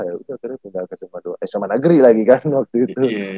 ya udah akhirnya pindah ke sma dua sma negeri lagi kan waktu itu